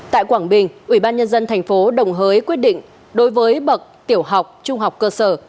tại quảng bình ubnd tp đồng hới quyết định đối với bậc tiểu học trung học cơ sở